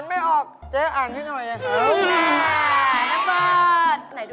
ไปบอกสักที